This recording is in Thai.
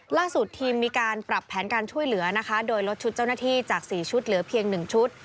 ล่าสุดทีมมีการปรับแผนการช่วยเหลือนะคะโดยลดชุดเจ้าหน้าที่จาก๔ชุดเหลือเพียง๑ชุด